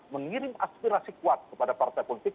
mengirim aspirasi kuat kepada partai politik